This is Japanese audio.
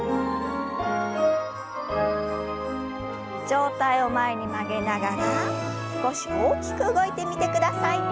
上体を前に曲げながら少し大きく動いてみてください。